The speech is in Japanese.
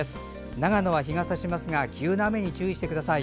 長野は日がさしますが急な雨に注意してください。